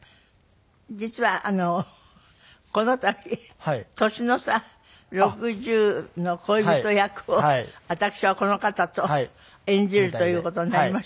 実はこの度年の差６０の恋人役を私はこの方と演じるという事になりまして。